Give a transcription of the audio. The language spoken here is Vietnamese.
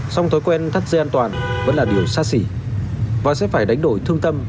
xong thói quen thắt dây an toàn vẫn là điều sáng